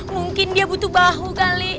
mungkin dia butuh bahu kali